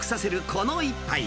この一杯。